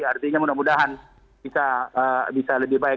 artinya mudah mudahan bisa lebih baik